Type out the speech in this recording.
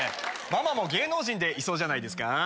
ママも芸能人でいそうじゃないですか？